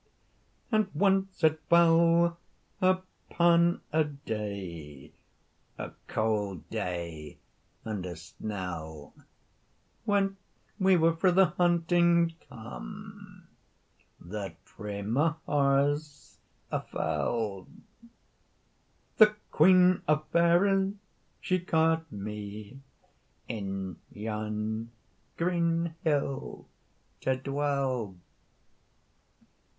"And ance it fell upon a day, A cauld day and a snell, When we were frae the hunting come, That frae my horse I fell; The Queen o Fairies she caught me, In yon green hill to dwell.